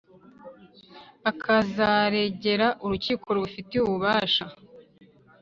akazaregera Urukiko rubifitiye ububasha